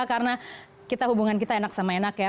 karena hubungan kita enak sama enak ya